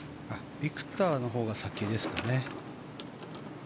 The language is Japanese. ビクトルのほうが先ですかね。